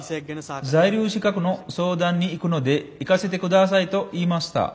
在留資格の相談に行くので行かせてくださいと言いました。